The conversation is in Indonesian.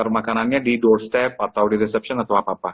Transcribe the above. makanannya di doorstep atau di reception atau apa apa